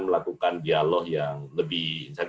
melakukan dialog yang lebih